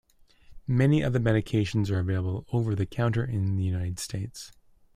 Many of the medications are available over the counter in the United States.